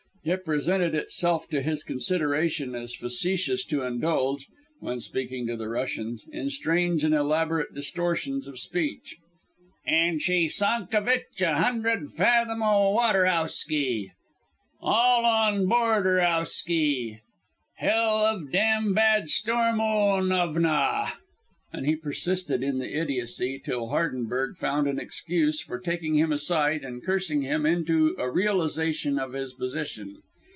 It presented itself to his consideration as facetious to indulge (when speaking to the Russians) in strange and elaborate distortions of speech. "And she sunk avitch in a hundred fathom o' water owski." " All on board erewski." " hell of dam' bad storm onavna." And he persisted in the idiocy till Hardenberg found an excuse for taking him aside and cursing him into a realization of his position.